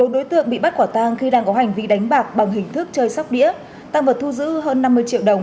bốn đối tượng bị bắt quả tang khi đang có hành vi đánh bạc bằng hình thức chơi sóc đĩa tăng vật thu giữ hơn năm mươi triệu đồng